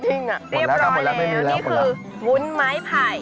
เตรียบแล้วเลยอันนี้คือวุ้นไม้ไผ่